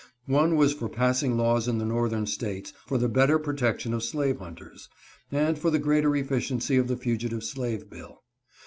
One was for passing laws in the northern States for the better protection of slave hunters, and for the greater efficiency of the fugitive slave bill.